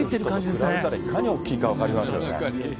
こうやって見たらいかに大きいか分かりますよね。